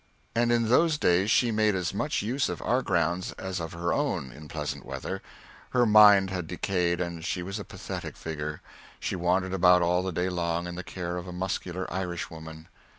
And in those days she made as much use of our grounds as of her own, in pleasant weather. Her mind had decayed, and she was a pathetic figure. She wandered about all the day long in the care of a muscular Irishwoman.